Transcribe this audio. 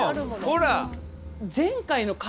ほら。